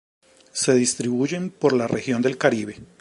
Se distribuyen por la región del Caribe.